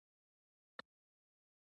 ناری ولسوالۍ پوله لري؟